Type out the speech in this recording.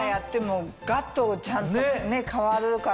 ガッとちゃんと変わるから。